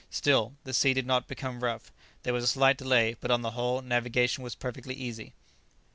Still, the sea did not become rough. There was a slight delay, but, on the whole, navigation was perfectly easy.